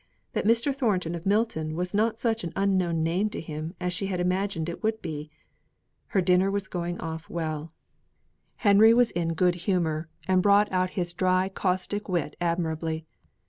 that Mr. Thornton of Milton was not such an unknown name to him as she had imagined it would be. Her dinner was going off well. Henry was in good humour, and brought out his dry caustic wit admirably.